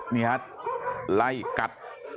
นี่ฮะไล่กัด